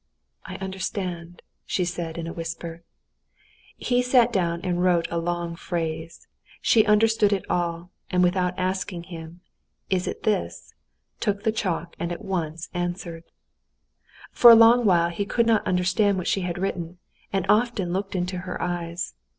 "I understand," she said in a whisper. He sat down and wrote a long phrase. She understood it all, and without asking him, "Is it this?" took the chalk and at once answered. For a long while he could not understand what she had written, and often looked into her eyes.